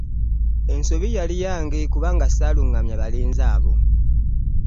Ensobi yali yange kubanga ssaaluŋŋamya balenzi abo.